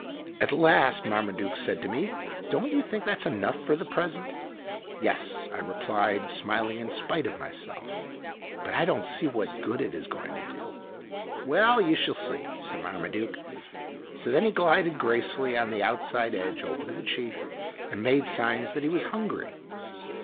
At last Marmaduke said to me, " Don't you think that 's enough for the present ?" IMAGINOTIONS " Yes," I replied, smiling in spite of myself. " But I don't see what good it is going to do." "Well, you shall see," said Marmaduke. So then he glided gracefully on the "outside edge" over to the chief, and made signs that he was hungry.